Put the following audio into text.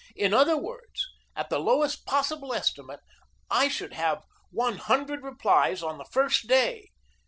In other words, at the lowest possible estimate I should have one hundred replies on the first day.